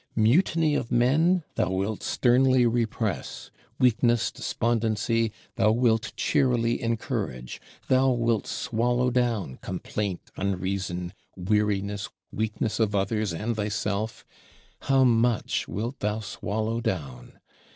Mutiny of men thou wilt sternly repress; weakness, despondency, thou wilt cheerily encourage: thou wilt swallow down complaint, unreason, weariness, weakness of others and thyself; how much wilt thou swallow down!